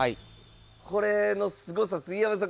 これのすごさ杉山さん